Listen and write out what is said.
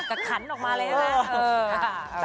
กระขันออกมาเลยแหละ